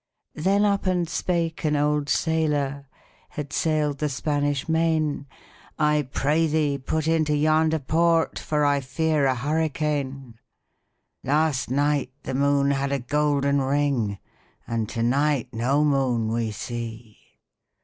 Then up and spake an old sailòr, Had sail'd the Spanish Main, 'I pray thee, put into yonder port, For I fear a hurricane. 'Last night, the moon had a golden ring, And to night no moon we see!'